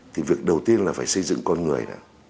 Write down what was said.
thì việc đầu tiên là phải xây dựng con người đó